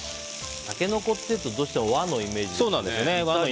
タケノコっていうとどうしても和のイメージですよね。